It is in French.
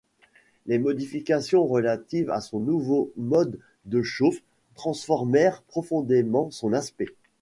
Les modifications relatives à son nouveau mode de chauffe transformèrent profondément son aspect.